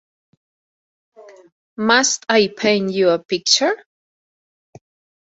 "Must I Paint You a Picture?"